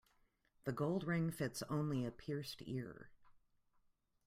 The gold ring fits only a pierced ear.